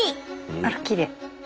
あらきれい。